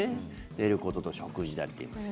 寝ることと食事だって言います。